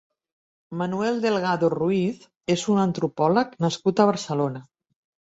Manuel Delgado Ruiz és un antropòleg nascut a Barcelona.